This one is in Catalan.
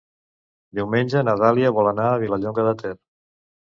Diumenge na Dàlia vol anar a Vilallonga de Ter.